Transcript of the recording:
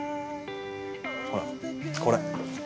ほらこれ。